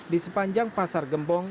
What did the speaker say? di sepanjang pasar gembong